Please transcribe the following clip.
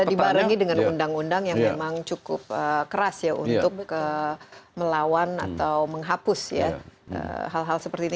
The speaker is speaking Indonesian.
nah dibarengi dengan undang undang yang memang cukup keras ya untuk melawan atau menghapus ya hal hal seperti itu